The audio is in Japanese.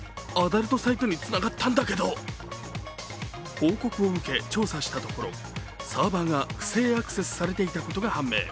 報告を受け、調査したところサーバーが不正アクセスされていたことが判明。